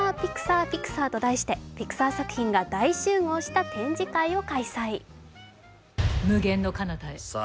ＰＩＸＡＲ！と題してピクサー作品が大集合した展示会を開催。